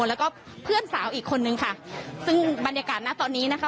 แล้วก็เพื่อนสาวอีกคนนึงค่ะซึ่งบรรยากาศนะตอนนี้นะคะ